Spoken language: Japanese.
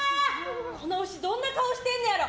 この牛、どんな顔してんねやろ。